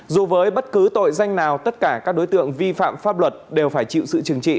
dù với bất cứ tội danh nào tất cả các đối tượng vi phạm pháp luật đều phải chịu sự trừng trị